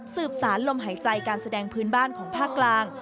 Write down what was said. สืบสารลมหายใจการแสดงพื้นบ้านของภาคกลาง